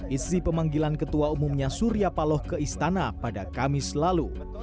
isi pemanggilan ketua umumnya surya paloh ke istana pada kamis lalu